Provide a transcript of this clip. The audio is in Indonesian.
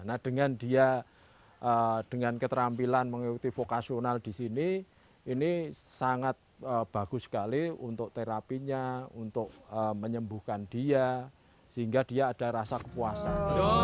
nah dengan dia dengan keterampilan mengikuti vokasional di sini ini sangat bagus sekali untuk terapinya untuk menyembuhkan dia sehingga dia ada rasa kepuasan